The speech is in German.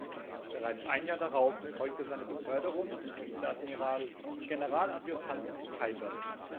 Bereits ein Jahr darauf erfolgte seine Beförderung zum Vizeadmiral und Generaladjutanten des Kaisers.